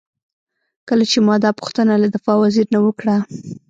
کله چې ما دا پوښتنه له دفاع وزیر نه وکړه.